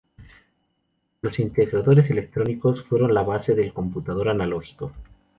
Los integradores electrónicos fueron la base del computador analógico.